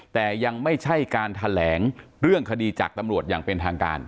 แต่ยังไม่ใช่การแถลงเรื่องคดีจากตำรวจอย่างเป็นทางการ